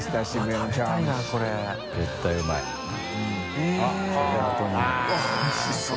えっおいしそう。